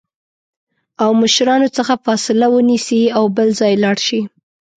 او مشرانو څخه فاصله ونیسي او بل ځای لاړ شي